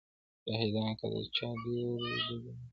شاهدان كه د چا ډېر وه د ظلمونو-